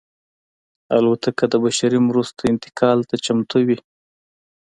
الوتکه د بشري مرستو انتقال ته چمتو وي.